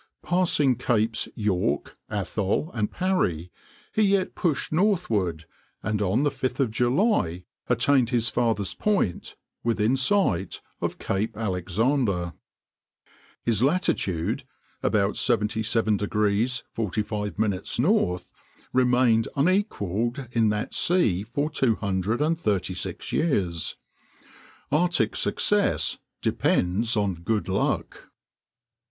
Passing Capes York, Atholl and Parry, he yet pushed northward, and on 5th July attained his farthest point within sight of Cape Alexander. His latitude, about 77° 45´ N., remained unequaled in that sea for two hundred and thirty six years." Arctic success depends on good luck.